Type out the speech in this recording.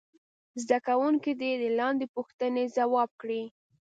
زده کوونکي دې لاندې پوښتنې ځواب کړي.